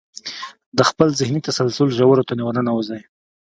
د خپل ذهني تسلسل ژورو ته ورننوځئ.